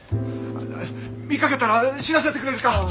見かけたら知らせてくれるか。